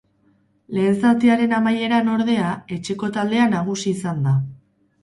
Lehen zatiaren amaieran, ordea, etxeko taldea nagusi izan da.